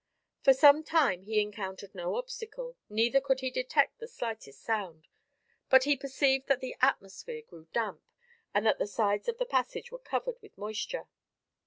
For some time he encountered no obstacle, neither could he detect the slightest sound, but he perceived that the atmosphere grew damp, and that the sides of the passage were covered with moisture.